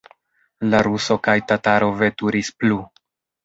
La ruso kaj tataro veturis plu.